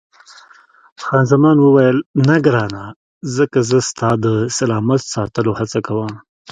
خان زمان وویل، نه ګرانه، ځکه زه ستا د سلامت ساتلو هڅه کوم.